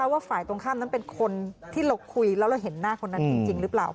ว่าฝ่ายตรงข้ามนั้นเป็นคนที่เราคุยแล้วเราเห็นหน้าคนนั้นจริงหรือเปล่า